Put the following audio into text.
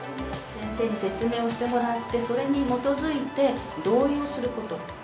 先生に説明をしてもらってそれに基づいて同意をすることです。